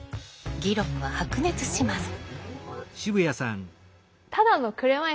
議論は白熱します。